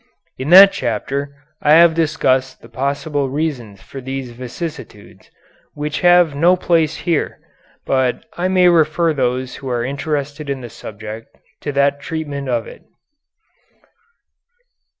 In that chapter I have discussed the possible reasons for these vicissitudes, which have no place here, but I may refer those who are interested in the subject to that treatment of it.